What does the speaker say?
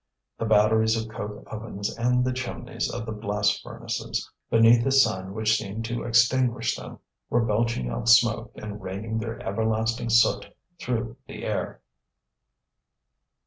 The batteries of coke ovens and the chimneys of the blast furnaces, beneath a sun which seemed to extinguish them, were belching out smoke and raining their everlasting soot through the air.